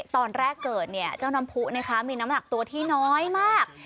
ตอนแรกเกิดเนี่ยเจ้าน้ำผู้มีน้ำหนักตัวที่น้อยมาก